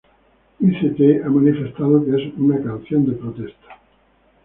Ice T ha manifestado que es una "canción de protesta".